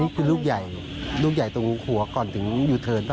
คือลูกใหญ่ลูกใหญ่ตรงหัวก่อนถึงยูเทิร์นป่